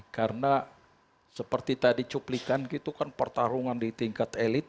karena seperti tadi cuplikan gitu kan pertarungan di tingkat elit